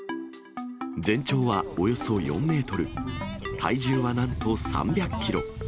全長はおよそ４メートル、体重はなんと３００キロ。